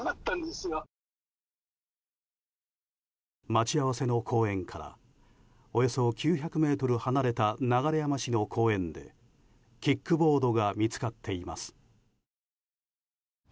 待ち合わせの公園からおよそ９００ｍ離れた流山市の公園でキックボードが見つかっています。